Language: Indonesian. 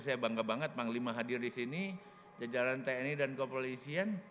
saya bangga banget panglima hadir di sini jajaran tni dan kepolisian